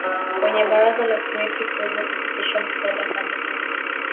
kwenye Baraza la Seneti kuweza kupitisha mswada kama huo